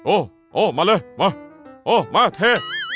โอ้โอ้มาเลยมาโอ้มาเท